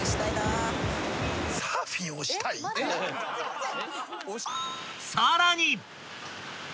すいません。